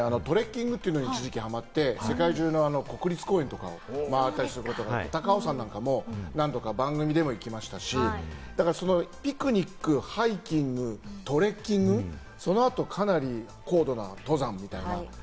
僕はトレッキングに一時期ハマって、世界中の国立公園とかまわったりして、高尾山なんかも何度か番組で行きましたし、ピクニック、ハイキング、トレッキング、その後かなり高度な登山みたいな。